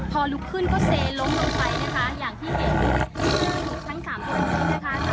พอลุกขึ้นก็เซล้มลงไปนะคะอย่างที่เห็นทั้งสามคนนี้นะคะ